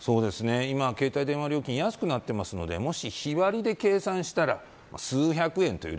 今、携帯電話料金安くなっているのでもし日割りで計算したら数百円という